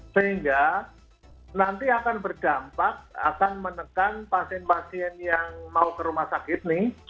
sehingga nanti akan berdampak akan menekan pasien pasien yang mau ke rumah sakit ini